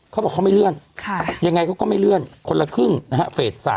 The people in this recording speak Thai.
เขาบอกเขาไม่เลื่อนยังไงเขาก็ไม่เลื่อนคนละครึ่งนะฮะเฟส๓